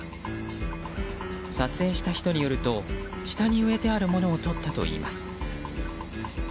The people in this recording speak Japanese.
撮影した人によると下に植えてあるものをとったといいます。